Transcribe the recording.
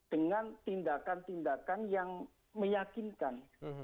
dengan tindakan tindakan yang meyakinkan